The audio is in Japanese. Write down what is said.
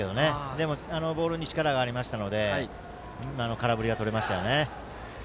でも、あのボールに力がありましたので空振りが取れましたよね。